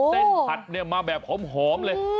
เส้นผัดมาแบบหอมเลย